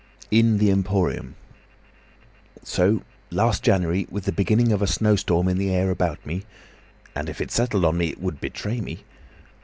IN THE EMPORIUM "So last January, with the beginning of a snowstorm in the air about me—and if it settled on me it would betray me!